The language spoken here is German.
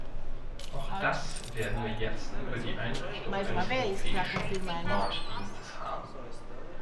Auch das werden wir jetzt über die Einrichtung eines europäischen Mautdienstes haben.